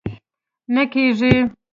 نه کېږي!